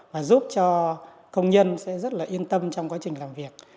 và giúp cho công nhân sẽ rất là yên tâm trong quá trình làm việc